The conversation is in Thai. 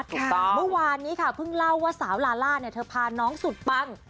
เมื่อวานนี้ค่ะเพิ่งเล่าว่าสาวลาล่าเนี่ยเธอพาน้องสุดปัง